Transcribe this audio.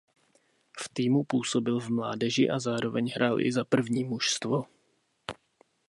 V týmu působil v mládeži a zároveň hrál i za první mužstvo.